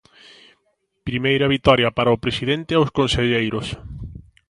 Primeira vitoria para o presidente e os conselleiros.